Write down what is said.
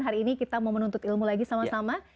hari ini kita mau menuntut ilmu lagi sama sama